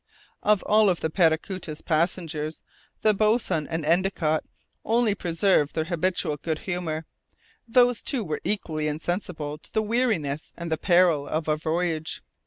Of all the Paracuta's passengers, the boatswain and Endicott only preserved their habitual good humour; those two were equally insensible to the weariness and the peril of our voyage.